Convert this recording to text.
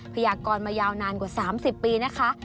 พยากรมายาวนานกว่า๓๐ปีนะคะ